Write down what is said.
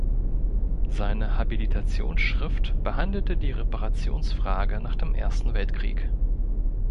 Seine Habilitationsschrift behandelte die Reparationsfrage nach dem Ersten Weltkrieg.